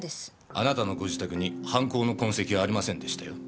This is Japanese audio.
あなたのご自宅に犯行の痕跡はありませんでしたよ。